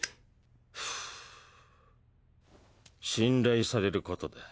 フー信頼されることだ。